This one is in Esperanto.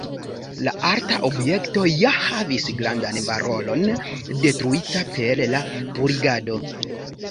La arta objekto ja havis grandan valoron, detruita per la purigado.